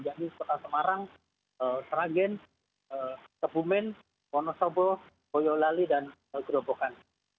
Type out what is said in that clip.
yakni kota semarang sragen kebumen wonosobo boyolali dan gerobokan